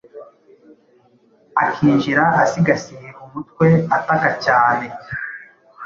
akinjira asigasiye umutwe ataka cyane.